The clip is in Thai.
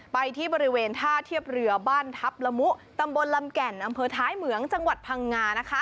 ไปที่บริเวณท่าเทียบเรือบ้านทัพละมุตำบลลำแก่นอำเภอท้ายเหมืองจังหวัดพังงา